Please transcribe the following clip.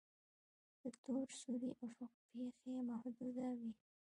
د تور سوري افق پیښې محدوده وي.